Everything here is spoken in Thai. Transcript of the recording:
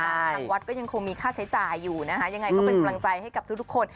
ทางวัดก็ยังคงมีค่าใช้จ่ายอยู่นะคะยังไงก็เป็นกำลังใจให้กับทุกคน